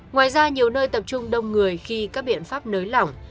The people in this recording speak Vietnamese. ngoài ra nhiều nơi tập trung đông người khi các biện pháp nới lỏng